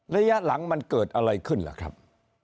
ระยะหลังมันเกิดอะไรขึ้นล่ะครับ